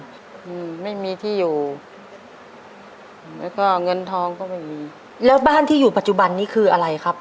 อืมไม่มีที่อยู่แล้วก็เงินทองก็ไม่มีแล้วบ้านที่อยู่ปัจจุบันนี้คืออะไรครับ